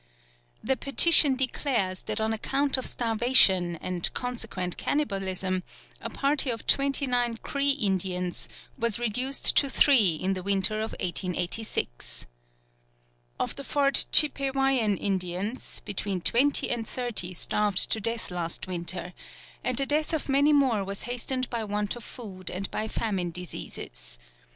The petition declares that on account of starvation, and consequent cannibalism, a party of twenty nine Cree Indians was reduced to three in the winter of 1886. Of the Fort Chippewyan Indians, between twenty and thirty starved to death last winter, and the death of many more was hastened by want of food and by famine diseases.